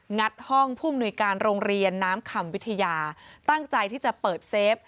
งัดห้องผู้มนุยการโรงเรียนน้ำคำวิทยาตั้งใจที่จะเปิดเซฟ